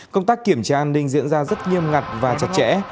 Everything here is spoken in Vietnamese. công tác kiểm tra an ninh diễn ra rất nghiêm ngặt và chặt chẽ